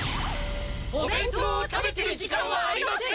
お弁当を食べてる時間はありません！